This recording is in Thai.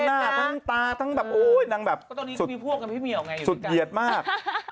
หน้าทั้งตาทั้งแบบโอ้ยนางแบบสุดเหยียดมาก